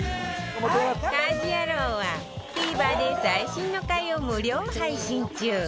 『家事ヤロウ！！！』は ＴＶｅｒ で最新の回を無料配信中